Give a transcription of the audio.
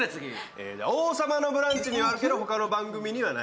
「王様のブランチ」にあるけど、ほかの番組にはない。